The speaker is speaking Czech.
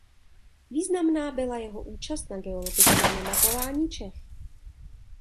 Významná byla jeho účast na geologickém mapování Čech.